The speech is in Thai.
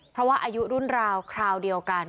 เพราะว่าอายุรุ่นราวคราวเดียวกัน